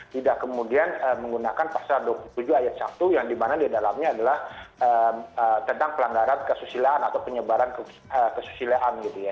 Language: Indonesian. tidak kemudian menggunakan pasal dua puluh tujuh ayat satu yang dimana di dalamnya adalah tentang pelanggaran kesusilaan atau penyebaran kesusilaan gitu ya